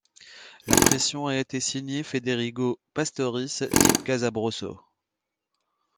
L'impression a été signé Federigo Pastoris di Casabrosso.